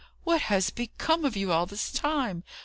What has become of you all this time?